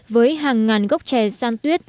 với hàng ngàn gốc chè san tuyết